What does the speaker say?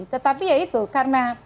tetapi ya itu karena